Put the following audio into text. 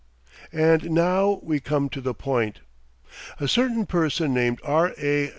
And now we come to the point. A certain person named R. A.